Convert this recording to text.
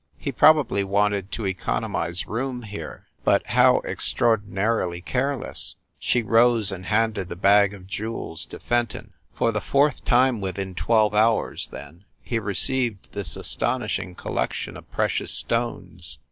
He probably wanted to economize room here. But how extraordinarily careless !" She rose and handed the bag of jewels to Fenton. For the fourth time within twelve hours then, he received this astonishing collection of precious stones.